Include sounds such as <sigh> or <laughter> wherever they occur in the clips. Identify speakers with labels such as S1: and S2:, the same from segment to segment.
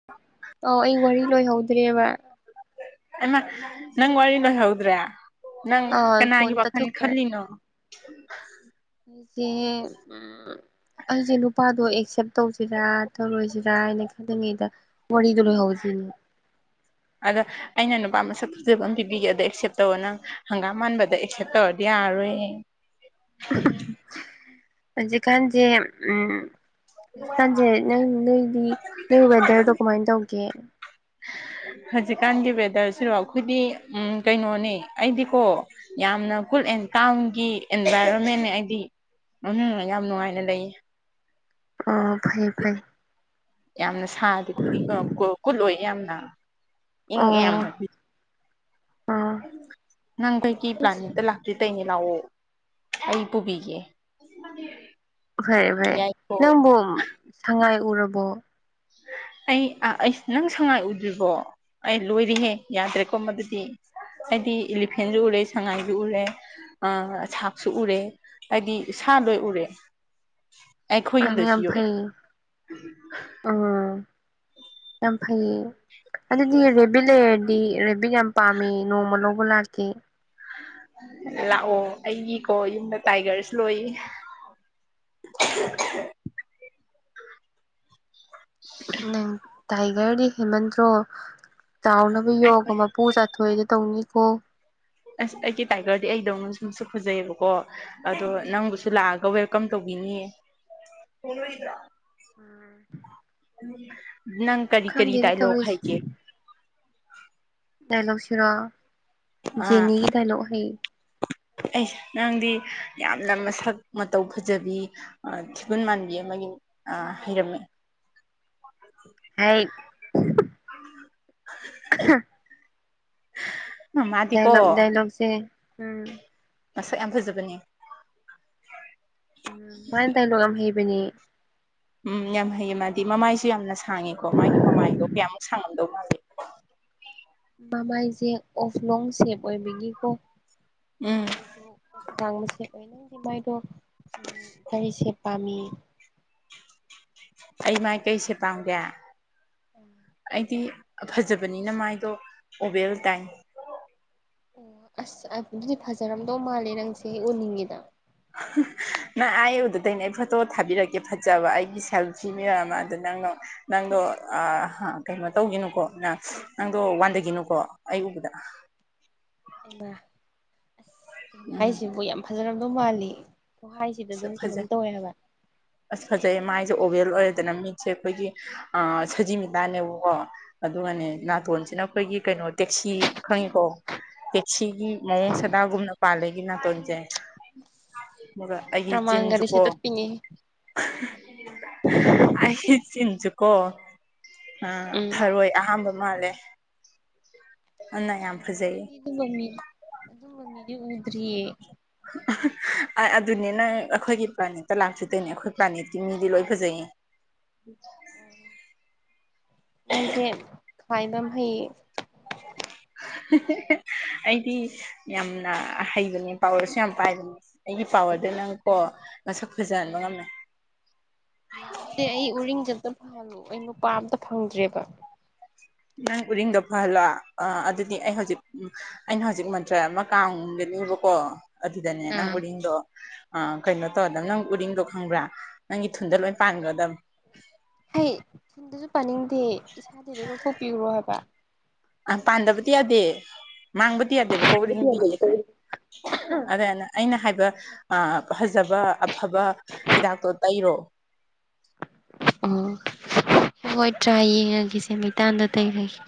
S1: <unintelligible>
S2: ꯑꯣ ꯑꯩ ꯋꯥꯔꯤ ꯂꯣꯏꯍꯧꯗ꯭ꯔꯦꯕ
S1: ꯏꯃ ꯅꯪ ꯋꯥꯔꯤ ꯂꯣꯏꯍꯧꯗ꯭ꯔꯦ ꯅꯪ
S2: ꯑꯥ
S1: ꯀꯅꯥꯒꯤ
S2: ꯐꯣꯟ
S1: ꯋꯥꯈꯜ
S2: ꯇꯠꯊꯣꯛꯈ꯭ꯔꯦ
S1: ꯈꯜꯂꯤꯅꯣ <unintelligible>
S2: ꯑꯩꯁꯦ ꯎ ꯑꯩꯁꯦ ꯅꯨꯄꯥꯗꯣ ꯑꯦꯛꯁꯦꯞ ꯇꯧꯁꯤꯔꯥ ꯇꯧꯔꯣꯏꯁꯤꯔꯥ ꯍꯥꯏꯅ ꯈꯜꯂꯤꯉꯩꯗ ꯋꯥꯔꯤꯗ ꯂꯣꯏꯍꯧꯁꯤꯅꯦ
S1: ꯑꯗ ꯑꯩꯅ ꯅꯨꯄꯥ ꯃꯁꯛ ꯐꯖꯕ ꯑꯃ ꯄꯤꯕꯤꯒꯦ ꯑꯗꯣ ꯑꯦꯛꯁꯦꯞ ꯇꯧꯔ ꯅꯪ ꯍꯪꯒꯥꯝ ꯃꯥꯟꯕꯗ ꯑꯦꯛꯁꯦꯞ ꯇꯧꯔꯗꯤ ꯌꯥꯔꯣꯏꯦ
S2: ꯍꯧꯖꯤꯀꯥꯟꯖꯦ ꯎꯝ ꯄꯥꯟꯖꯦ ꯅꯪ ꯅꯣꯏꯗꯤ ꯅꯣꯏ ꯋꯦꯗꯔꯗꯣ ꯀꯃꯥꯏꯅ ꯇꯧꯒꯦ
S1: ꯍꯧꯖꯤꯛꯀꯥꯟꯒꯤ ꯋꯦꯗꯔꯁꯤꯔꯣ ꯑꯩꯈꯣꯏꯗꯤ ꯎ ꯀꯩꯅꯣꯅꯦ ꯑꯩꯗꯤꯀꯣ ꯌꯥꯝꯅ ꯁꯀꯨꯜ ꯑꯦꯟ ꯇꯥꯎꯟꯒꯤ ꯑꯦꯟꯚꯥꯏꯔꯣꯟꯃꯦꯟ ꯑꯩꯗꯤ ꯌꯥꯝ ꯅꯨꯡꯉꯥꯏꯅ ꯂꯩꯌꯦ
S2: ꯑꯣ ꯐꯩ ꯐꯩ
S1: ꯌꯥꯝꯅ ꯁꯥꯗꯤꯦ ꯈꯨꯗꯤ ꯀꯨꯠꯂꯣꯏꯦ ꯌꯥꯝꯅ ꯏꯪꯉꯦ
S2: ꯑꯣ
S1: ꯌꯥꯝꯅ
S2: ꯑꯣ
S1: ꯅꯪ ꯀꯩ ꯀ ꯄ꯭ꯂꯥꯅꯤꯡꯇ ꯂꯥꯛꯈꯤ ꯦ ꯅꯎ ꯑꯩꯜ ꯄꯨꯨꯕꯒ
S2: ꯐꯔꯦ ꯐꯔꯦ ꯅꯪꯕꯨ ꯁꯉꯥꯏ ꯎꯔꯕꯣ
S1: ꯑꯩ ꯑꯩꯁ ꯅꯪ ꯁꯉꯥꯏ ꯎꯗ꯭ꯔꯤꯕꯣ ꯑꯩ ꯂꯣꯏꯔꯤꯍꯦ ꯌꯥꯗ꯭ꯔꯦꯀꯣ ꯃꯗꯨꯗꯤ ꯍꯥꯏꯗꯤ ꯏꯂꯤꯐꯦꯟꯁꯨ ꯎꯔꯦ ꯁꯉꯥꯏꯁꯨ ꯎꯔꯦ ꯑ ꯁꯥꯛꯁꯨ ꯎꯔꯦ ꯍꯥꯏꯗꯤ ꯁꯥ ꯂꯣꯏ ꯎꯔꯦ ꯑꯩ
S2: ꯑꯗꯨ
S1: ꯈꯨꯌꯨꯝꯗ ꯁꯤ
S2: ꯑꯣ ꯌꯥꯝ ꯐꯩꯌꯦ ꯑꯗꯨꯗꯤ ꯔꯕꯤ ꯂꯩꯔꯗꯤ ꯔꯦꯕꯤꯠ ꯌꯥꯝ ꯄꯥꯝꯃꯤ ꯅꯣꯡꯃ ꯂꯧꯕ ꯂꯥꯛꯀꯦ
S1: ꯂꯥꯛꯑꯣ ꯑꯩꯒꯤꯀꯣ ꯌꯨꯝꯗ ꯇꯥꯏꯒꯔꯁꯨ ꯂꯣꯏꯌꯦ
S2: ꯅꯪ ꯇꯥꯏꯒꯔꯗꯤ ꯍꯦꯃꯟꯇ꯭ꯔꯣ ꯆꯥꯎꯅꯕ ꯌꯣꯒ
S1: ꯑꯩꯈꯣꯏ
S2: ꯃꯄꯨ ꯆꯠ ꯊꯣꯏꯗ ꯇꯧꯅꯤꯀꯣ
S1: ꯑꯁ ꯑꯩꯒꯤ ꯇꯥꯏꯒꯔꯗꯤ ꯑꯩꯗꯧꯅ ꯁꯁꯨ ꯐꯖꯩꯑꯕꯀꯣ ꯑꯗꯣ ꯅꯪꯕꯨꯁꯨ ꯂꯥꯛꯑꯒ ꯋꯦꯜ ꯀꯝ ꯇꯧꯕꯤꯅꯤꯌꯦ
S2: ꯎꯝ
S1: ꯅꯪ ꯀꯔꯤ ꯀꯔꯤ ꯗꯥꯏꯂꯣꯒ
S2: ꯇꯧꯔꯤꯁꯦ
S1: ꯍꯥꯏꯒꯦ
S2: ꯗꯥꯏꯂꯛ ꯁꯔꯣ ꯖꯦꯅꯤꯒꯤ ꯗꯥꯏꯂꯛ ꯍ
S1: ꯑꯩꯁ ꯅꯪꯗꯤ ꯌꯥꯝꯅ ꯃꯁꯛ ꯃꯇꯧ ꯐꯖꯕꯤ ꯊꯤꯒꯨꯟ ꯃꯥꯟꯕꯤ ꯑꯃꯒꯤ ꯍꯩꯔꯝꯃꯦ ꯎ
S2: ꯍꯥꯏ
S1: <inaudible>
S2: ꯍ ꯗꯥꯏꯂ
S1: ꯃꯥꯗꯤꯀꯣ
S2: ꯗꯥꯏꯂꯣꯛꯁꯦ ꯎꯝ
S1: ꯃꯁꯛ ꯌꯥꯝ ꯐꯖꯕꯅꯤ
S2: ꯎꯝ ꯃꯥꯅ ꯗꯥꯏꯂꯣꯛ ꯌꯥꯝ ꯍꯩꯕꯅꯦ
S1: ꯎꯝ ꯌꯥꯝ ꯍꯩꯌꯦ ꯃꯥꯗꯤ ꯃꯃꯥꯏꯁꯨ ꯌꯥꯝꯅ ꯁꯥꯡꯉꯦꯀꯣ ꯃꯥꯒꯤ ꯃꯃꯥꯏꯗꯣ ꯀꯌꯥꯃꯨꯛ ꯁꯥꯡꯉꯝꯗꯧ ꯃꯥꯁꯦ
S2: ꯃꯃꯥꯏꯁꯦ ꯑꯣꯐ ꯂꯣꯡ ꯁꯦꯞ ꯑꯣꯏꯕꯒꯤꯀꯣ
S1: ꯎꯝ
S2: ꯃꯃꯥꯏꯗꯣ ꯂꯥꯡꯕꯁꯦ ꯑꯣꯏꯅꯪꯗꯤ ꯃꯥꯏꯗꯣ ꯀꯔꯤꯁꯦ ꯄꯥꯝꯃꯤ
S1: ꯑꯩ ꯃꯥꯏꯀꯩꯁꯦ ꯄꯥꯝꯒꯦ ꯑꯩꯗꯤ ꯐꯖꯕꯅꯤꯅ ꯃꯥꯏꯗꯣ ꯑꯣꯕꯦꯜ ꯇꯥꯏꯝ
S2: ꯑꯣ ꯑꯁ ꯑꯗꯨꯗꯤ ꯐꯖꯔꯝꯗꯧ ꯃꯥꯜꯂꯦ ꯅꯪ ꯁꯤ ꯎꯅꯤꯡꯉꯤꯗ
S1: ꯎ ꯅꯪ ꯑꯩꯨꯗꯗꯩꯅ ꯑꯩ ꯐꯣꯇꯣ ꯊꯥꯕꯤꯔꯛꯀꯦ ꯐꯖꯕ ꯑꯩꯒꯤ ꯁꯦꯜꯐꯤ ꯃꯌꯥꯝ ꯑꯃ ꯑꯗ ꯅꯪꯅ ꯅꯪꯗꯣ ꯀꯩꯅꯣ ꯇꯧꯒꯤꯅꯨꯀꯣ ꯅꯪ ꯅꯪꯗꯣ ꯋꯥꯟꯒꯅꯨ ꯀꯣ ꯑꯩ ꯎꯕꯗ
S2: ꯏꯃ
S1: ꯎꯝ
S2: ꯍꯥꯏꯁꯤꯕꯨ ꯌꯥꯝ ꯐꯖꯔꯝꯗꯧ ꯃꯥꯜꯂꯤ ꯄꯣꯍꯥꯏꯁꯤꯗ ꯑꯗꯨꯝ
S1: ꯐꯖꯩ
S2: ꯀꯩꯅꯣꯝ ꯇꯧꯋꯦ ꯍꯥꯏꯕ
S1: ꯑꯁ ꯐꯖꯩ ꯃꯥꯏꯁꯦ ꯑꯣꯕꯦꯜ ꯑꯣꯏꯔꯦꯗꯅ ꯃꯤꯠꯁꯦ ꯑꯩꯈꯣꯏꯒꯤ ꯑ ꯁꯖꯤꯃꯤꯇꯥꯅꯦꯕꯀꯣ ꯑꯗꯨꯒꯅꯦ
S2: ꯎꯝ
S1: ꯅꯥꯇꯣꯟꯁꯤꯅ ꯑꯩꯈꯣꯏꯒꯤ ꯀꯩꯅꯣ ꯇꯦꯛꯁꯤ ꯈꯪꯉꯤꯀꯣ ꯇꯦꯛꯁꯤꯒꯤ ꯃꯑꯣꯡ ꯁꯅꯥꯒꯨꯝꯅ ꯄꯥꯜꯂꯒꯤ ꯅꯥꯇꯣꯟꯁꯦ ꯑꯩꯒꯤ
S2: ꯄ꯭ꯔꯃꯥꯟꯒꯗꯤ
S1: ꯆꯤꯟꯖꯨꯀꯣ
S2: ꯁꯦꯠꯇꯠꯄꯤꯅꯤ
S1: ꯑꯩ ꯆꯤꯟꯖꯦꯀꯣ ꯑ
S2: ꯎꯝ
S1: ꯊꯔꯣꯏ ꯑꯍꯥꯝꯕ ꯃꯥꯜꯂꯦ ꯑꯗꯨꯅ ꯌꯥꯝ
S2: ꯃ
S1: ꯐꯖꯩꯌꯦ
S2: ꯑꯩꯗꯤ ꯑꯗꯨꯝꯕ ꯃꯤ ꯑꯗꯨꯝꯕ ꯃꯤꯗꯤ ꯎꯗ꯭ꯔꯤꯌꯦ
S1: ꯎꯝ ꯑꯗꯨꯅꯤ ꯅꯪ ꯑꯩꯈꯣꯏꯒꯤ ꯄ꯭ꯂꯥꯅꯦꯠꯇ ꯂꯥꯛꯆꯗꯣꯏꯅꯦ ꯑꯩꯈꯣꯏ ꯄ꯭ꯂꯥꯅꯦꯠꯇꯤ ꯃꯤꯗꯤ ꯂꯣꯏ ꯐꯖꯩꯌꯦ
S2: ꯃꯁ ꯈꯥꯏꯕꯝ ꯐꯩ
S1: ꯑꯩꯗꯤ ꯌꯥꯝꯅ ꯍꯩꯕꯅꯦ ꯄꯥꯎꯔꯁꯨ ꯌꯥꯝ ꯄꯥꯏꯕꯅꯦ ꯑꯩꯒꯤ ꯄꯋꯥꯔꯗ ꯅꯪ ꯀꯣ ꯃꯁꯛ ꯐꯖꯍꯟꯕ
S2: ꯎꯝ
S1: ꯉꯝꯃꯦ
S2: ꯑꯗꯨꯗꯤ ꯑꯩ ꯎꯔꯤꯡꯁꯦ ꯑꯝꯇ ꯐꯥꯍꯜꯂꯨ ꯑꯩ ꯅꯨꯄꯥ ꯑꯝꯇ ꯐꯪꯗ꯭ꯔꯦꯕ
S1: ꯅꯪ ꯎꯗꯤꯡꯗꯣ ꯐꯍꯜꯂꯣ ꯑ ꯑꯗꯨꯗꯤ ꯑꯩ ꯍꯧꯖꯤꯛ ꯑꯩꯅ ꯍꯧꯖꯤꯛ ꯃꯟꯇ꯭ꯔ ꯑꯃ ꯀꯥꯡꯒꯅꯦꯕꯀꯣ ꯑꯗꯨꯗꯅꯦ ꯅꯪ
S2: ꯑꯥ
S1: ꯎꯔꯤꯡꯗꯣ ꯑ ꯀꯩꯅꯣ ꯇꯧꯔꯗꯕ ꯅꯪ ꯎꯔꯤꯡꯗꯣ ꯈꯪꯕ꯭ꯔꯥ ꯅꯪꯒꯤ ꯊꯨꯟꯗ ꯂꯣꯏ ꯄꯥꯟꯒꯗꯕ
S2: ꯍꯩ ꯁꯤꯨꯝꯗꯁꯨ ꯄꯥꯅꯤꯡꯗꯦ ꯏꯁꯥꯗꯤ ꯂꯣꯏ ꯂꯧꯊꯣꯛꯄꯤꯈꯨꯔꯣ ꯍꯥꯏꯕ
S1: ꯑ ꯄꯥꯟꯗꯕꯗꯤ ꯌꯥꯗꯦ ꯃꯥꯡꯕꯗꯤ ꯌꯥꯗꯦꯕ ꯀꯧꯔꯤꯉꯗꯤ ꯑꯗꯨꯥꯏꯅ ꯑꯩꯅ ꯍꯥꯏꯕ ꯐꯖꯕ ꯑꯐꯕ ꯍꯤꯗꯥꯛꯇꯣ ꯇꯩꯔꯣ
S2: ꯑꯣ ꯍꯣꯏ ꯇ꯭ꯔꯥ ꯌꯦꯡꯉꯒꯁꯦ ꯃꯩꯇꯥꯟꯗ ꯇꯩꯔꯒꯦ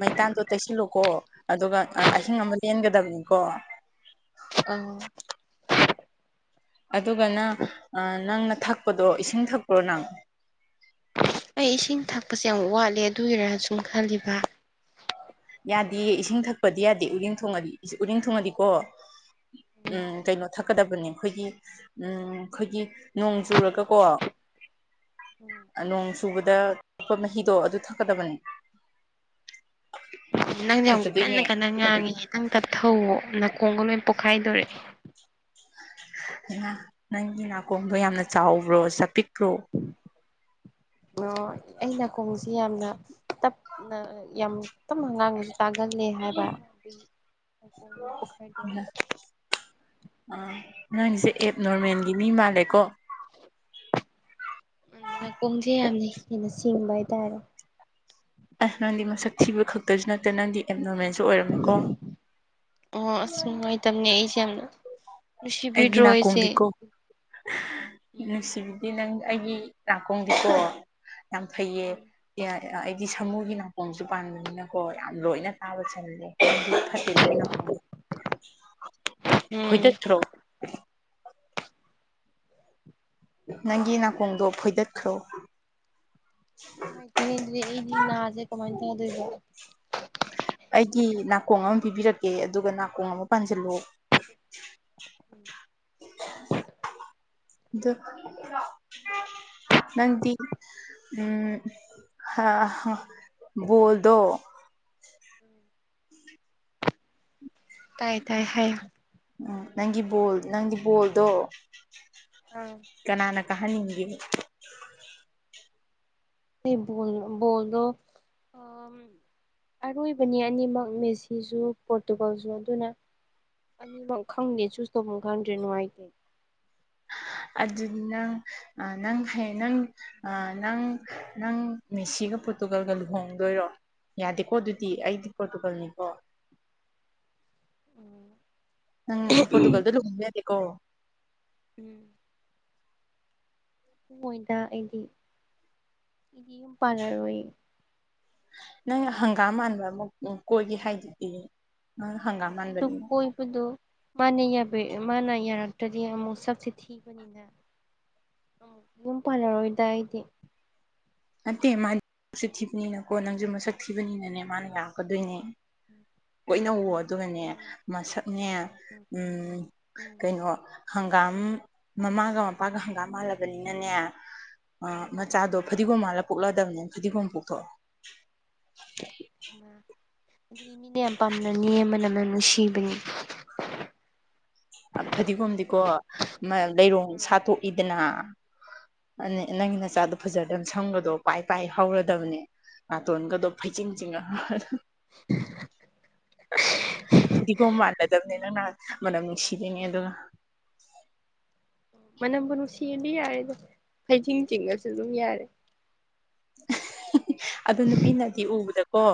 S1: ꯃꯩꯇꯥꯟꯗꯣ ꯇꯩꯁꯤꯜꯂꯨꯀꯣ ꯑꯗꯨꯒ ꯑꯍꯤꯡ ꯑꯃ ꯂꯦꯟꯒꯗꯕꯅꯤꯀꯣ
S2: ꯑ
S1: ꯑꯗꯨꯒꯅ ꯅꯪꯅ ꯊꯛꯄꯗꯣ ꯏꯁꯤꯡ ꯊꯛꯄ꯭ꯔꯣ ꯅꯪ
S2: ꯑꯩ ꯏꯁꯤꯡ ꯊꯛꯄꯁꯦ ꯌꯥꯝ ꯋꯥꯠꯂꯦ ꯑꯗꯨꯒꯤꯔꯥ ꯁꯨꯝ ꯈꯜꯂꯤꯕ
S1: ꯌꯥꯗꯦꯌꯦ ꯏꯁꯤꯡ ꯊꯛꯄꯗꯤ ꯌꯥꯗꯦ ꯎꯔꯤꯡ ꯊꯣꯡꯉꯗꯤ ꯎꯔꯤꯡ ꯊꯣꯡꯉꯗꯤꯀꯣ ꯎꯝ ꯀꯩꯅꯣ ꯊꯛꯀꯗꯕꯅꯦ ꯑꯩꯈꯣꯏꯒꯤ ꯎꯝ ꯑꯩꯈꯣꯏꯒꯤ ꯅꯣꯡ ꯆꯨꯔꯒꯀꯣ ꯅꯣꯡ ꯁꯨꯕꯗ ꯊꯄ ꯃꯍꯤꯗꯣ ꯑꯗꯨ ꯊꯛꯀꯗꯕꯅꯤ
S2: ꯅꯪꯁꯨ ꯌꯥꯝ ꯀꯟꯅ ꯀꯟꯅ ꯉꯥꯡꯉꯦ ꯅꯪ ꯇꯠꯊꯧꯧꯋꯣ ꯅꯥꯀꯣꯡꯒ ꯂꯣꯏ ꯄꯣꯛꯈꯥꯏꯗꯣꯔꯛꯑꯦ
S1: ꯅꯪꯒꯤ ꯅꯥꯀꯣꯡꯗꯣ ꯌꯥꯝꯅ ꯆꯥꯎꯕ꯭ꯔꯣ ꯆꯄꯤꯛꯄ꯭ꯔꯣ
S2: <inaudible> ꯑꯣ ꯑꯩꯅ ꯅꯀꯣꯡꯁꯤ ꯌꯥꯝꯅ ꯇꯞꯅ ꯌꯥꯝ ꯈꯤꯇꯪ ꯍꯉꯥꯡꯕꯁꯨ ꯇꯥꯒꯜꯂꯦ ꯍꯥꯏꯕ
S1: ꯑ ꯅꯪꯒꯤꯁꯦ ꯑꯦꯞ ꯅꯣꯔꯃꯦꯜꯒꯤ ꯃꯤ ꯃꯥꯜꯂꯦꯀꯣ
S2: ꯅꯥ ꯀꯣꯡꯁꯦ ꯌꯥꯝꯅ ꯍꯦꯟꯅ ꯆꯤ ꯊꯤꯡꯥꯏꯗꯔꯣ
S1: ꯑꯁ ꯅꯪꯗꯤ ꯃꯁꯛ ꯊꯤꯕ ꯈꯛꯇꯁꯨ ꯅꯠꯇꯦ ꯅꯪꯗꯤ ꯑꯦꯞ ꯅꯣꯔꯃꯦꯜꯁꯨ ꯑꯣꯏꯔꯝꯃꯦꯀꯣ
S2: ꯑꯣ ꯑꯁ ꯅꯨꯡꯉꯥꯏꯇꯕꯅꯦ ꯑꯩꯁꯦ ꯌꯥꯝꯅ ꯅꯨꯡꯁꯤꯕꯤꯗ꯭ꯔꯣ ꯑꯩꯁꯦ ꯎꯝ
S1: ꯅꯨꯡꯁꯤꯕꯤꯗꯤ ꯅꯪ ꯑꯩꯒꯤ ꯅꯥꯀꯣꯡꯗꯨ ꯁ ꯌꯥꯝ ꯐꯩꯌꯦ ꯍꯥꯏꯗꯤ ꯁꯃꯨꯒꯤ ꯅꯥꯀꯣꯡꯁꯨ ꯄꯥꯟꯕꯅꯤꯅꯀꯣ ꯌꯥꯝ ꯂꯣꯏꯅ ꯇꯥꯕ ꯆꯜꯂꯦ
S2: ꯎꯝ
S1: ꯐꯣꯏꯗꯠꯇ꯭ꯔꯣ ꯅꯪꯒꯤ ꯅꯥꯀꯣꯡꯗꯣ ꯐꯣꯏꯗꯠꯈ꯭ꯔꯣ
S2: ꯅꯨꯡꯉꯥꯢꯇꯦꯍꯦ ꯑꯩꯗꯤ ꯅꯥꯁꯦ ꯀꯃꯥꯏꯅ ꯇꯧꯗꯣꯏꯕ
S1: ꯑꯩꯒꯤ ꯅꯥꯀꯣꯡ ꯑꯃ ꯄꯤꯕꯤꯔꯛꯀꯦ ꯑꯗꯨꯒ ꯅꯥꯀꯣꯡ ꯑꯃ ꯄꯥꯟꯁꯤꯜꯂꯣ
S2: <inaudible>
S1: ꯑꯗꯨ ꯅꯪꯗꯤ ꯎꯝ ꯍ ꯕꯣꯜꯗꯣ
S2: <inaudible> ꯇꯥꯏ ꯇꯥꯏ ꯍꯥꯏꯌꯣ
S1: ꯎꯝ ꯅꯪꯒꯤ ꯕꯣꯜ ꯅꯪꯒꯤ ꯕꯣꯜꯗꯣ
S2: ꯎꯝ
S1: ꯀꯅꯥꯅ ꯀꯥꯍꯟꯅꯤꯡꯒꯦ
S2: ꯑꯩ ꯕꯣꯜ ꯕꯣꯜꯗꯣ ꯑꯔꯣꯏꯕꯅꯤ ꯑꯅꯤꯃꯛ ꯃꯦꯁꯤꯁꯨ ꯄꯣꯔꯇꯨꯒꯜꯁꯨ ꯑꯗꯨꯅ ꯑꯅꯤꯃꯛ ꯈꯪꯗꯦ ꯆꯨꯁ ꯇꯧꯐꯝ ꯈꯪꯗ꯭ꯔꯦ ꯅꯨꯡꯉꯥꯏꯇꯦ
S1: ꯑꯗꯨ ꯅꯪ ꯑ ꯅꯪ ꯐꯦꯟ ꯅꯪ ꯅꯪ ꯅꯪ ꯃꯦꯁꯤꯒ ꯄꯣꯔꯇꯨꯒꯜꯒ ꯂꯨꯍꯣꯡꯗꯣꯏꯔꯣ ꯌꯥꯗꯦꯀꯣ ꯑꯗꯨꯗꯤ ꯑꯩꯗꯤ ꯄꯣꯔꯇꯨꯒꯜꯅꯤꯀꯣ ꯅꯪ ꯄꯣꯔꯇꯨꯒꯜꯗ ꯂꯨꯍꯣꯡꯕ ꯌꯥꯗꯦꯀꯣ
S2: ꯎꯝ ꯍꯣꯏꯗ ꯑꯩꯗꯤ ꯑꯩꯗꯤ ꯌꯨꯝ ꯄꯥꯜꯂꯔꯣꯏꯌꯦ
S1: ꯅꯪ ꯍꯪꯒꯥꯝ ꯃꯥꯟꯕ ꯑꯃꯨꯛ ꯀꯣꯏꯒꯦ ꯍꯥꯏꯗꯨꯗꯤ ꯑ ꯍꯪꯒꯥꯝ
S2: ꯑꯗꯨ
S1: ꯃꯥꯟꯕꯅꯤ
S2: ꯀꯣꯏ ꯃꯥꯅ ꯃꯥꯅ ꯌꯥꯔꯛꯇ꯭ꯔꯗꯤ ꯑꯃꯨꯛ ꯁꯛꯁꯤ ꯊꯤꯕꯅꯤꯅ ꯎꯝ ꯌꯨꯝ ꯄꯥꯜꯂꯔꯣꯏꯗ ꯑꯩꯗꯤ
S1: ꯅꯠꯇꯦ ꯃꯥꯗꯤ ꯁꯛ ꯊꯤꯕꯅꯤꯅꯀꯣ ꯅꯪꯁꯨ ꯃꯁꯛ ꯊꯤꯕꯅꯤꯅꯅꯦ ꯃꯥꯅ ꯌꯔꯛꯀꯗꯣꯏꯅꯦ ꯀꯣꯏꯅꯧꯑꯣ ꯑꯗꯨꯒꯅꯦ
S2: ꯎꯝ
S1: ꯃꯁꯛꯅꯦ ꯎꯝ
S2: ꯎꯝ
S1: ꯀꯩꯅꯣ ꯍꯪꯒꯥꯝ ꯃꯃꯥꯒ ꯃꯄꯥꯒ ꯍꯪꯒꯥꯝ ꯃꯥꯜꯂꯕꯅꯤꯅꯅꯦ
S2: ꯎꯝ ꯎꯝ
S1: ꯃꯆꯥꯗꯣ ꯐꯗꯤꯒꯣꯝ ꯃꯥꯜꯂ ꯄꯣꯛꯂꯛꯑꯥꯗꯕꯅꯦ ꯐꯗꯤꯒꯣꯝ ꯄꯣꯛꯊꯣꯛꯑꯣ
S2: ꯑꯗꯨꯗꯤ ꯃꯤꯅ ꯌꯥꯝ ꯄꯥꯝꯅꯅꯤ ꯃꯅꯝ ꯅꯨꯡꯁꯤꯕꯅꯤ
S1: ꯐꯗꯤꯒꯣꯝꯗꯤꯀꯣ ꯂꯩꯔꯣꯡ
S2: ꯎꯝ
S1: ꯁꯥꯠꯇꯣꯛꯏꯗꯅ ꯑ ꯅꯪꯒꯤ ꯅꯆꯥꯗꯣ ꯐꯖꯔꯗꯕꯅꯦ ꯁꯝꯒꯗꯣ ꯄꯥꯏ ꯄꯥꯏ ꯍꯧꯔꯗꯕꯅꯤ ꯅꯥꯇꯣꯟꯒꯗꯣ ꯐꯩꯖꯤꯡ ꯆꯤꯡꯉ ꯐꯗꯤꯒꯣꯝ ꯃꯥꯜꯂꯗꯕꯅꯦ ꯅꯪꯅ ꯅꯍꯥꯟ ꯃꯅꯝ <unintelligible> ꯅꯨꯡꯁꯤꯗꯣꯏꯅꯦ ꯑꯗꯨꯅ
S2: ꯃꯅꯝꯕꯨ ꯅꯨꯡꯁꯤꯔꯗꯤ ꯌꯥꯔꯦꯗ ꯍꯩꯊꯤꯡ ꯊꯤꯡꯉꯁꯨ ꯑꯗꯨꯝ ꯌꯥꯔꯦ
S1: ꯑꯗꯨ ꯅꯨꯄꯤꯅꯗꯤ ꯎꯕꯗꯀꯣ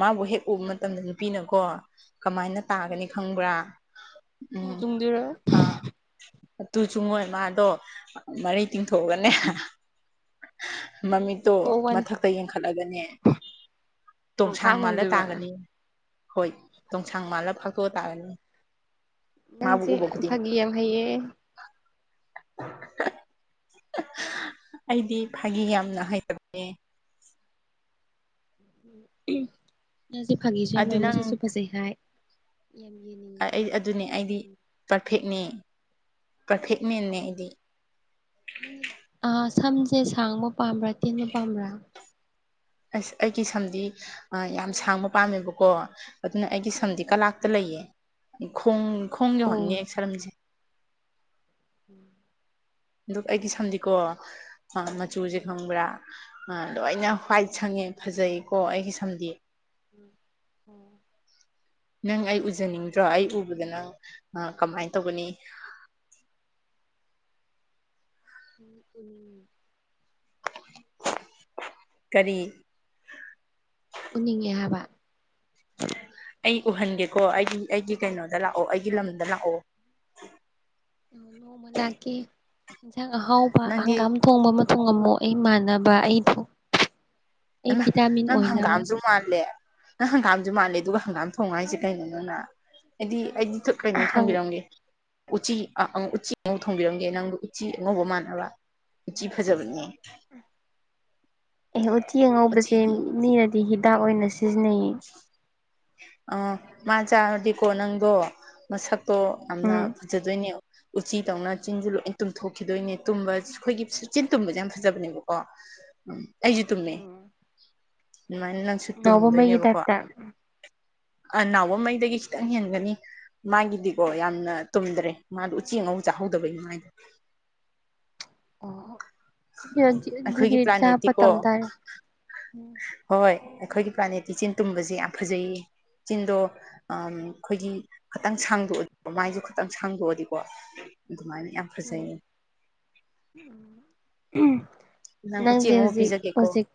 S1: ꯃꯥꯕꯨ ꯍꯦꯛ ꯎꯕ
S2: ꯎꯝ
S1: ꯃꯇꯝꯗ ꯅꯨꯄꯤꯅꯀꯣ ꯀꯃꯥꯏꯅ ꯇꯥꯒꯅꯤ
S2: ꯎꯝ
S1: ꯈꯪꯕ꯭ꯔꯥ
S2: ꯇꯨ
S1: ꯎꯝ
S2: ꯆꯨꯡꯗꯣꯏꯔꯣ
S1: ꯑ ꯑꯗꯨꯁꯨ ꯃꯣꯏꯃꯥꯗꯣ ꯃꯔꯩ
S2: ꯎꯝ
S1: ꯇꯤꯡꯊꯣꯛꯑꯒꯅꯦ
S2: ꯎꯝ
S1: ꯃꯃꯤꯠ
S2: ꯑꯣ ꯋꯥꯟ
S1: ꯃꯊꯛꯇ ꯌꯦꯡꯈꯠꯂꯒꯅꯦ ꯇꯣꯡꯁꯥꯡ
S2: ꯅꯣꯡꯈꯥꯡ
S1: ꯃꯥꯜꯂ
S2: ꯅꯣꯡꯗꯣꯏꯕ
S1: ꯇꯥꯒꯅꯤ ꯍꯣꯏ ꯇꯣꯡꯁꯥꯡ ꯃꯥꯜꯂ ꯐꯥꯠꯇꯣꯛꯑ ꯇꯥꯒꯅꯤ
S2: ꯅꯪꯁꯦ ꯐꯥꯒꯤꯌꯥꯝ ꯍꯩꯌꯦ
S1: ꯑꯩꯗꯤ ꯐꯥꯒꯤ ꯌꯥꯝꯅ ꯍꯩꯕ
S2: ꯎꯝ ꯅꯪꯗꯤ ꯐꯥꯒꯤꯁꯨ ꯌꯥꯝ
S1: ꯑꯗꯨ
S2: ꯍꯩ
S1: ꯅꯪ
S2: ꯃꯁꯛꯁꯨ ꯐꯖꯩ ꯍꯥꯏ ꯌꯥꯝ ꯌꯦꯡꯅꯤꯡꯉꯦ
S1: ꯑꯩ
S2: ꯅꯪ
S1: ꯑꯗꯨꯅꯦ
S2: ꯅꯁꯛꯇꯣ
S1: ꯑꯩꯗꯤ
S2: ꯎꯅꯤꯡ
S1: ꯄꯔꯐꯦꯛꯅꯦ ꯄꯔꯐꯦꯛꯃꯦꯟꯅꯦ
S2: ꯑꯣ
S1: ꯑꯩꯗꯤ
S2: ꯁꯝꯁꯦ ꯁꯥꯡꯕ ꯄꯥꯝꯕ꯭ꯔꯥ ꯇꯦꯟꯕ ꯄꯥꯝꯕ꯭ꯔꯥ
S1: ꯑꯁ ꯑꯩꯒꯤ ꯁꯝꯗꯤ ꯑ ꯌꯥꯝ ꯁꯥꯡꯕ ꯄꯥꯝꯃꯦꯕꯀꯣ ꯑꯗꯨꯅ ꯑꯩꯒꯤ ꯁꯝꯗꯤ
S2: ꯎꯝ
S1: ꯀꯂꯥꯛꯇ ꯂꯩꯌꯦ ꯈꯣꯡ ꯈꯣꯡ
S2: ꯑꯣ
S1: ꯌꯧꯍꯟꯅꯤ ꯁꯝꯁꯦ
S2: ꯎꯝ
S1: ꯑꯗꯨ ꯑꯩꯒꯤ ꯁꯝꯗꯤꯀꯣ ꯃꯆꯨꯁꯦ
S2: ꯎꯝ
S1: ꯈꯪꯕ꯭ꯔꯥ ꯂꯣꯏꯅ
S2: ꯎꯝ
S1: ꯍ꯭ꯋꯥꯏꯠ ꯁꯪꯉꯦ ꯐꯖꯩꯀꯣ ꯑꯩꯒꯤ ꯁꯝꯗꯤ
S2: ꯎꯝ
S1: ꯅꯪꯑꯩ ꯎꯖꯅꯤꯡꯗ꯭ꯔꯣ ꯑꯩ ꯎꯕꯗ ꯅꯪ ꯀꯃꯥꯏ ꯇꯧꯒꯅꯤ
S2: ꯎꯝ ꯎꯝ
S1: ꯀꯔꯤ
S2: ꯎꯅꯤꯡꯉꯦ ꯍꯥꯏꯕ
S1: ꯑꯩ ꯎꯍꯟꯒꯦꯀꯣ ꯑꯩꯒꯤ ꯑꯩꯒꯤ ꯀꯩꯅꯣꯗ ꯂꯥꯛꯑꯣ ꯑꯩꯒꯤ ꯂꯝꯗ ꯂꯥꯛꯑꯣ
S2: ꯅꯣꯡꯃ ꯂꯥꯛꯀꯦ ꯏꯟꯁꯥꯡ ꯑꯍꯥꯎꯕ
S1: ꯅꯪꯗꯤ
S2: ꯍꯪꯒꯥꯝ ꯊꯣꯡꯕ ꯑꯃ ꯊꯣꯡꯉꯝꯃꯨ ꯑꯩ ꯃꯥꯟꯅꯕ ꯑꯩ ꯑꯩ
S1: ꯅꯪ
S2: ꯚꯤꯇꯥꯃꯤꯟ
S1: ꯅꯪ
S2: ꯑꯣꯏꯅꯕ
S1: ꯍꯪꯒꯥꯝꯁꯨ ꯃꯥꯜꯂꯦ ꯅꯪ ꯍꯪꯒꯥꯝꯁꯨ ꯃꯥꯜꯂꯦ ꯑꯗꯨꯒ ꯍꯪꯒꯥꯝ ꯊꯣꯡꯉꯣ ꯍꯥꯏꯁꯦ ꯀꯩꯅꯣ ꯅꯪ ꯑꯩꯗꯤ ꯑꯩꯗꯤ ꯇꯨ ꯀꯩꯅꯣ ꯊꯣꯡꯕꯤꯔꯝꯒꯦ ꯎꯆꯤ ꯑ ꯎꯆꯤ ꯑꯉꯧ ꯊꯣꯡꯕꯤꯔꯝꯒꯦ ꯅꯪꯕꯨ ꯎꯆꯤ ꯑꯉꯧꯕ ꯃꯥꯟꯅꯕ ꯖꯤ ꯐꯖꯕꯅꯦ
S2: ꯑꯦ ꯎꯇꯤ ꯑꯉꯧꯕꯁꯦ
S1: ꯎꯆꯤꯗꯤ
S2: ꯃꯤꯅꯗꯤ ꯍꯤꯗꯥꯛ ꯑꯣꯏꯅ ꯁꯤꯖꯤꯟꯅꯩꯌꯦ
S1: ꯑ ꯃꯥ ꯆꯥꯔꯗꯤꯀꯣ ꯅꯪꯗꯣ ꯃꯁꯛꯇꯣ ꯌꯥꯝꯅ
S2: ꯎꯝ
S1: ꯐꯖꯗꯣꯏꯅꯦ ꯎꯆꯤ ꯇꯧꯅ ꯆꯤꯟꯁꯨ ꯂꯣꯏ ꯇꯨꯝꯊꯣꯛꯈꯤꯗꯣꯏꯅꯦ ꯇꯨꯝꯕ ꯑꯩꯈꯣꯏꯒꯤ ꯆꯤꯟ ꯇꯨꯝꯕꯁꯦ ꯌꯥꯝ ꯐꯖꯕꯅꯦꯕꯀꯣ ꯎꯝ ꯑꯩꯁꯨ ꯇꯨꯝꯃꯦ
S2: ꯎꯝ
S1: ꯑꯗꯨꯃꯥꯏꯅ ꯅꯪꯁꯨ
S2: ꯑꯅꯧꯕ ꯃꯩꯒꯤ
S1: ꯇꯨꯝꯗꯣꯏꯅꯦꯕꯀꯣ
S2: ꯇꯥꯏꯞꯇ <inaudible>
S1: ꯅꯥꯎꯕꯉꯩꯗꯒꯤ ꯈꯤꯇꯪ ꯍꯦꯟꯒꯅꯤ ꯃꯥꯒꯤꯗꯤꯀꯣ ꯌꯥꯝꯅ ꯇꯨꯝꯗ꯭ꯔꯦ ꯃꯥꯗꯣ ꯎꯆꯦꯉꯧ ꯆꯥꯍꯧꯗꯕꯒꯤ ꯃꯥꯏꯗꯣ
S2: ꯑꯣ
S1: ꯑꯩꯈꯣꯏꯒꯤ
S2: ꯑꯗꯨꯗꯤ ꯆꯥꯄ
S1: ꯄ꯭ꯂꯥꯅꯦꯠꯇꯤꯀꯣ
S2: ꯇꯝꯇꯔꯦ
S1: ꯍꯣꯏ ꯍꯣꯏ ꯑꯩꯈꯣꯏꯒꯤ ꯄ꯭ꯔ꯭ꯂꯥꯅꯦꯠꯇꯤꯆꯤꯟ ꯇꯨꯝꯕꯁꯦ ꯌꯥꯝ ꯐꯖꯩꯌꯦ ꯆꯤꯟꯗꯣ ꯎ ꯑꯩꯈꯣꯏꯒꯤ ꯈꯤꯇꯪ ꯁꯥꯡꯗꯣꯛꯑꯗꯤꯀꯣ ꯃꯥꯏꯁꯨ ꯈꯇꯪ ꯁꯥꯡꯗꯣꯛꯑꯗꯤꯀꯣ ꯑꯗꯨꯝꯑꯩ
S2: ꯎꯝ
S1: ꯌꯥꯝꯐꯖꯩ ꯅꯪ
S2: ꯅꯪꯁꯦ
S1: ꯎꯆꯦꯛ ꯑꯉꯧꯕ
S2: ꯍꯧꯖꯤꯛ
S1: ꯄꯤꯖꯒꯦꯀꯣ
S2: ꯍꯧꯖꯤꯛ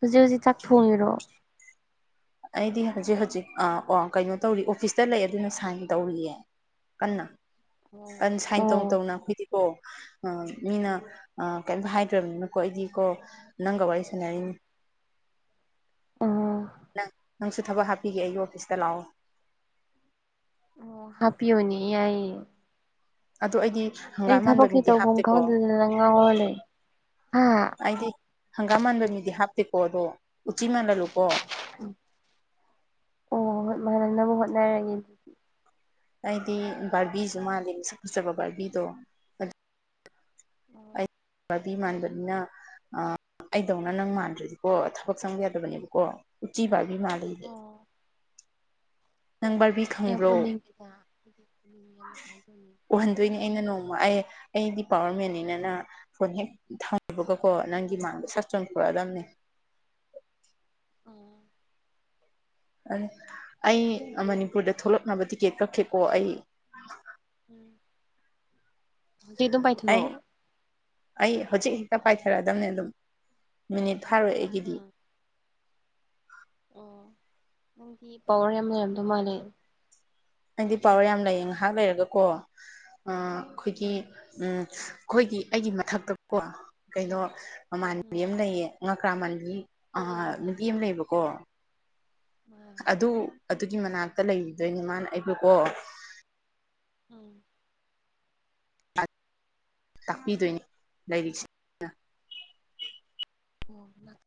S2: ꯍꯧꯖꯤꯛ ꯍꯧꯖꯤꯛ ꯆꯥꯛ ꯊꯣꯡꯉꯤꯔꯣ
S1: ꯑꯩꯗꯤ ꯍꯧꯖꯤꯛ ꯍꯧꯖꯤꯛ ꯑ ꯑꯣ ꯀꯩꯅꯣ ꯇꯧꯔꯤ ꯑꯣꯐꯤꯁꯇ ꯂꯩ ꯑꯗꯨꯅ ꯁꯥꯏꯟ ꯇꯧꯔꯤꯌꯦ ꯀꯟꯅ
S2: ꯑꯣ
S1: ꯀꯟꯅ ꯁꯥꯏꯟ ꯇꯧꯅ
S2: ꯑꯣ
S1: ꯇꯧꯅ ꯑꯈꯣꯏꯗꯤꯀꯣ ꯃꯤꯅ
S2: ꯎꯝ
S1: ꯑ ꯀꯩꯅꯝꯇ ꯍꯥꯏꯗ꯭ꯔꯕꯅꯤꯅꯀꯣ ꯑꯩꯗꯤ ꯀꯣ ꯅꯪꯒ ꯋꯥꯔꯤ ꯁꯥꯟꯅꯔꯤꯅꯤ
S2: ꯑꯥ
S1: ꯅꯪ ꯅꯪꯁꯨ ꯊꯕꯛ ꯍꯥꯞꯄꯤꯒꯦ ꯑꯩꯒꯤ ꯑꯣꯐꯤꯁꯇ ꯂꯥꯛꯑꯣ
S2: ꯑꯣ ꯍꯥꯞꯄꯤꯌꯨꯅꯦ ꯌꯥꯏꯌꯦ
S1: ꯑꯗꯣ ꯑꯩꯗꯤ
S2: ꯑꯩ
S1: ꯍꯪꯒꯥꯝ ꯃꯥꯟꯕ
S2: ꯊꯕꯛꯀꯤ
S1: ꯃꯤꯗꯤ
S2: ꯇꯧꯐꯝ
S1: ꯍꯥꯞꯇꯦꯀꯣ
S2: ꯈꯪꯗꯗꯅ ꯉꯥꯎꯔ ꯂꯩ ꯍꯥ
S1: ꯑꯩꯗꯤ ꯍꯪꯒꯥꯝ ꯃꯥꯟꯕ ꯃꯤꯗꯤ ꯍꯥꯞꯇꯦꯀꯣ ꯑꯗꯣ ꯎꯆꯤ ꯃꯥꯟꯍꯜꯂꯨꯀꯣ
S2: ꯎ ꯑꯣ ꯑꯃꯥꯢꯅꯕꯨ ꯍꯣꯠꯅꯔꯗꯤ
S1: ꯑꯩꯗꯤ ꯕꯥꯔꯕꯤꯁꯨ ꯃꯥꯜꯂꯤ ꯃꯁꯛ ꯐꯖꯕ ꯕꯥꯔꯕꯤꯗꯣ ꯑꯗꯨ
S2: ꯑꯣ
S1: ꯕꯤ ꯃꯥꯟꯕꯅꯤꯅ ꯑ ꯑꯩꯗꯧꯅ ꯅꯪ ꯃꯥꯟꯗ꯭ꯔꯗꯤꯀꯣ ꯊꯕꯛ ꯆꯪꯕ ꯌꯥꯗꯕꯅꯦꯕꯀꯣ ꯔꯆꯤꯕ ꯃꯥꯦ
S2: ꯑꯣ ꯑꯣ
S1: ꯕꯥꯔꯕꯤ
S2: ꯌꯥꯝ
S1: ꯈꯪꯕ꯭ꯔꯣ
S2: ꯎꯅꯤꯡꯗꯦꯗ ꯌꯥꯝ
S1: ꯎꯍꯟꯗꯣꯏꯅꯦ ꯑꯩꯅ ꯅꯣꯡꯃ ꯑꯩ ꯑꯩꯗꯤ ꯄꯋꯥꯔ ꯃꯦꯟꯅꯤꯅꯅ ꯐꯣꯟ ꯍꯦꯛ ꯀꯕꯒꯀꯣ ꯅꯪꯒꯤ ꯃꯥꯡꯗ
S2: ꯎꯝ
S1: ꯁꯛ ꯆꯣꯡꯈꯥꯊꯣꯔꯛꯑꯗꯕꯅꯦ
S2: ꯎꯝ
S1: ꯑꯩ ꯃꯅꯤꯄꯨꯔꯗ ꯊꯣꯛꯂꯛꯅꯕ ꯇꯤꯀꯦꯠ ꯀꯛꯈꯤꯦꯀꯣ ꯑꯩ
S2: ꯎꯝ ꯍꯧꯖꯤꯛ ꯑꯗꯨꯝ
S1: ꯑꯩ
S2: ꯄꯥꯏꯊꯣꯔꯛꯑꯣ
S1: ꯑꯩ ꯍꯧꯖꯤꯛ ꯍꯦꯛꯇ ꯄꯥꯏꯊꯔꯛꯑꯗꯕꯅꯦ ꯑꯗꯨꯝ ꯃꯤꯅꯤꯠ ꯊꯥꯔꯣꯏ
S2: ꯎꯝ ꯑꯣ ꯅꯪꯒꯤ ꯄꯋꯥꯔ ꯌꯥꯝ ꯂꯩꯔꯝꯗꯣꯏ ꯃꯥꯜꯂꯦ
S1: ꯅꯪꯗꯤ ꯄꯋꯥꯔ ꯌꯥꯝ ꯂꯩꯌꯦ ꯉꯥꯏꯍꯥꯛ ꯂꯩꯔꯒꯀꯣ ꯑ ꯑꯈꯣꯏꯒꯤ
S2: ꯎꯝ
S1: ꯎꯝ ꯑꯈꯣꯏꯒꯤ ꯑꯩꯒꯤ ꯃꯊꯛꯇꯀꯣ ꯀꯩꯅꯣ
S2: ꯎꯝ
S1: ꯃꯃꯥꯟꯅꯕꯤ ꯑꯃ ꯂꯩꯌꯦ ꯉꯀ꯭ꯔꯥ ꯃꯟꯕꯤ ꯑ
S2: ꯎꯝ
S1: ꯅꯨꯄꯤ ꯑꯃ ꯂꯩꯕꯀꯣ
S2: <unintelligible>
S1: ꯑꯗꯨ ꯑꯗꯨꯒꯤ ꯃꯅꯥꯛꯇ ꯂꯩꯈꯤꯗꯣꯏꯅꯦ ꯃꯥꯅ ꯑꯩꯕꯨꯀꯣ
S2: ꯎꯝ
S1: ꯇꯥꯛꯄꯤꯗꯣꯏꯅꯦ ꯂꯥꯏꯔꯤꯛꯁꯦ
S2: ꯑꯣ